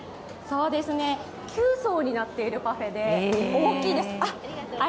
９層になっているパフェで、大きいです。